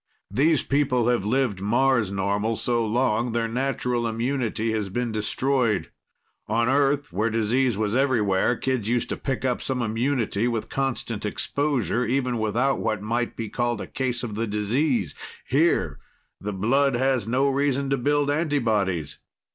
These people have lived Mars normal so long their natural immunity has been destroyed. On Earth where the disease was everywhere, kids used to pick up some immunity with constant exposure, even without what might be called a case of the disease. Here, the blood has no reason to build antibodies.